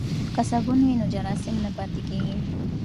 که صابون وي نو جراثیم نه پاتیږي.